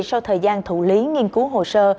sau thời gian thủ lý nghiên cứu hồ sơ